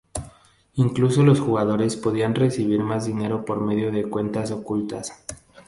Incluso los jugadores podían recibir más dinero por medio de cuentas ocultas.